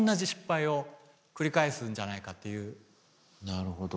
なるほど。